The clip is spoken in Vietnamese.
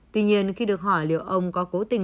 tuy nhiên khi được hỏi liệu ông có cố tình